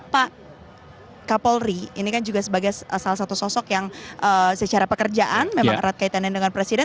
pak kapolri ini kan juga sebagai salah satu sosok yang secara pekerjaan memang erat kaitannya dengan presiden